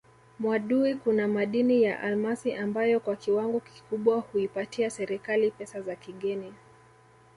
Mwadui kuna madini ya almasi ambayo kwa kiwango kikubwa huipatia serikali pesa za kigeni